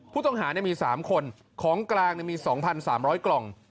ผู้ต้องหามี๓คนของกลางมี๒๓๐๐กล่อง